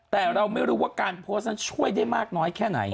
แต่เราไม่รู้ว่าการโพสต์นั้นช่วยได้มากน้อยแค่ไหน